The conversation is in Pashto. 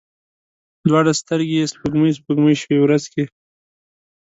دواړې سترګي یې سپوږمۍ، سپوږمۍ شوې ورځ کې